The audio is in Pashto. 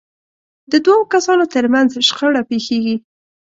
د دوو کسانو ترمنځ شخړه پېښېږي.